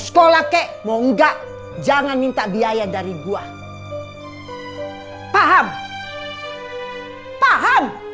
sekolah kek mau enggak jangan minta biaya dari gua paham paham